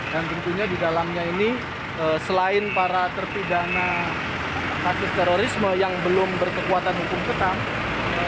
dan tentunya di dalamnya ini selain para terpidana kasus terorisme yang belum berkekuatan hukum ketat